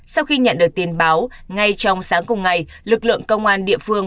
sau khi nhận được tin báo ngay trong sáng cùng ngày lực lượng công an địa phương